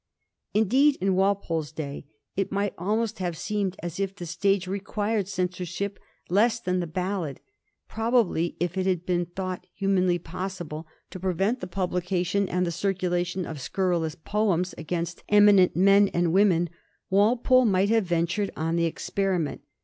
Indeed in Walpole's day it might almost have seemed as if the stage required censorship less than the ballad. Probably, if it had been thought humanly possible to prevent the publication and the circulation of scurrilous poems against eminent men and women, Walpole might have ventured on the experiment.